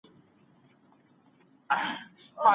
زموږ غنم ډېر ګڼ دي.